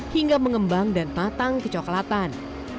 hingga mengembang dan matang kecoklatan